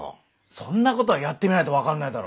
そんなことはやってみないと分かんないだろ。